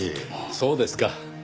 そうですか。